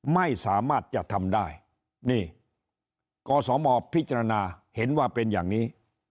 ไม่สามารถจะทำได้นี่กศมพิจารณาเห็นว่าเป็นอย่างนี้